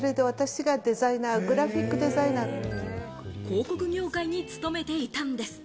広告業界に勤めていたんです。